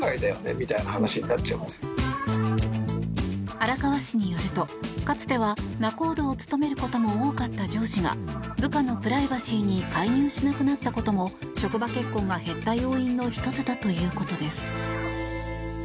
荒川氏によるとかつては仲人を務めることも多かった上司が部下のプライバシーに介入しなくなったことも職場結婚が減った要因の１つだということです。